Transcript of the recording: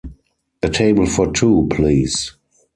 A table for two, please.